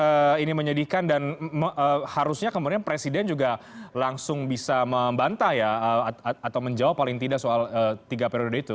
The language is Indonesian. apakah ini menyedihkan dan harusnya kemudian presiden juga langsung bisa membantah ya atau menjawab paling tidak soal tiga periode itu